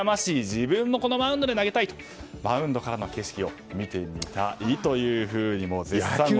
自分もこのマウンドで投げたいマウンドからの景色を見てみたいというふうに絶賛していました。